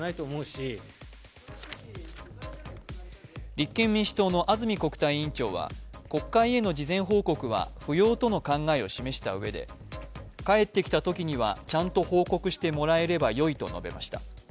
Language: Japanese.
立憲民主党の安住国対委員長は国会への事前報告は不要との考えを示したうえで帰ってきたときにはちゃんと報告してもらえればよいと述べました。